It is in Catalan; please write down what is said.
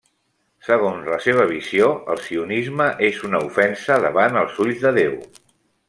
Segons la seva visió, el sionisme és una ofensa davant els ulls de Déu.